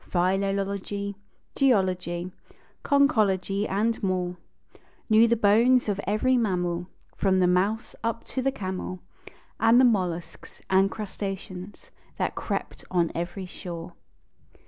Philology, geology, conchology and more ; Knew the bones of every mammal, From the mouse up to the camel, And the mollusks and crustaceans that crept on every shore.